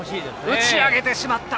打ち上げてしまった。